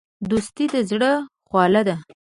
دوستي د زړه خواله ده.